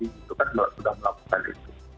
itu kan sudah melakukan itu